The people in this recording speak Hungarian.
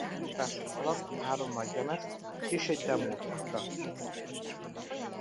Pályafutásuk alatt három nagylemezt és egy demót adtak ki.